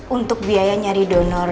untuk biaya nyari donor